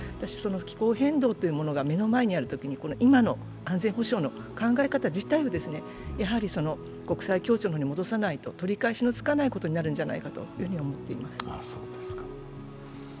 気候変動というものが目の前にあるときに、今の安全保障の考え方自体を国際協調の方に戻さないと取り返しのつかないことになるんじゃないかと思っています。